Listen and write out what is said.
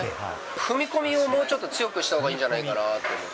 踏み込みをもうちょっと強くしたほうがいいんじゃないかなって思って。